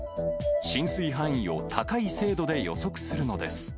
浸水範囲を高い精度で予測するのです。